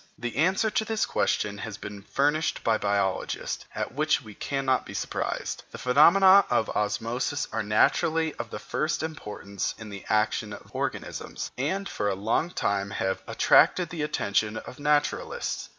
The answer to this question has been furnished by biologists, at which we cannot be surprised. The phenomena of osmosis are naturally of the first importance in the action of organisms, and for a long time have attracted the attention of naturalists.